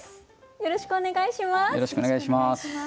よろしくお願いします。